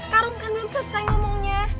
karung kan belum selesai ngomongnya